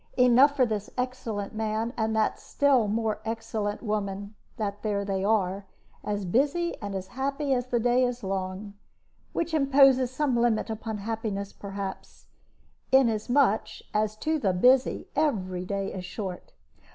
Enough for this excellent man and that still more excellent woman that there they are, as busy and as happy as the day is long which imposes some limit upon happiness, perhaps, inasmuch as to the busy every day is short.